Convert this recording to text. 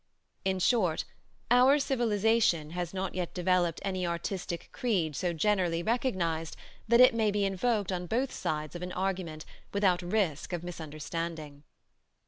In short, our civilization has not yet developed any artistic creed so generally recognized that it may be invoked on both sides of an argument without risk of misunderstanding.